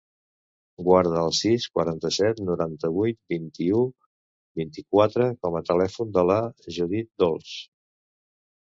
Guarda el sis, quaranta-set, noranta-vuit, vint-i-u, vint-i-quatre com a telèfon de la Judit Dolz.